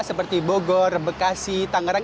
seperti bogor bekasi tangerang